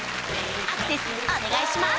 アクセスお願いします